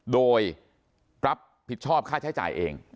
โดยรับผิดชอบค่าใช้จ่ายเอง